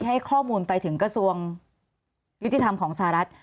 ให้ข้อมูลไปถึงกระทรวงยุติธรรมของสหรัฐ